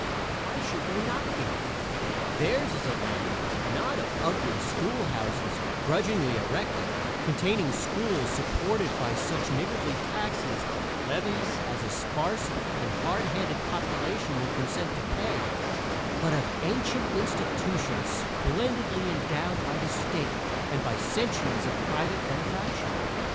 Why should they not be? Theirs is a land, not of ugly schoolhouses grudgingly erected, containing schools supported by such niggardly tax levies as a sparse and hard handed population will consent to pay, but of ancient institutions splendidly endowed by the state and by centuries of private benefaction.